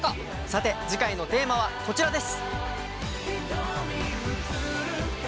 さて次回のテーマはこちらです。